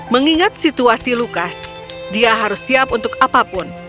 mengingat situasi lukas dia harus siap untuk apapun